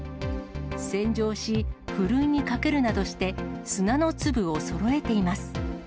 洗浄し、ふるいにかけるなどして、砂の粒をそろえています。